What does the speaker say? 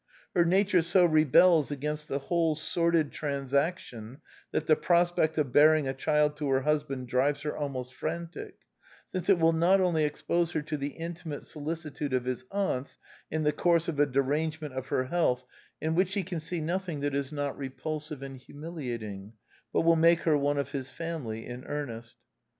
Her nature so rebels against the whole sordid transaction that the prospect of bearing a child to her husband drives her almost frantic, since it will not only expose her to the intimate solicitude of his aunts in the course of a derangement of her health in which she can see nothing that is not repulsive and humiliating, but will make her one of his family in earnest.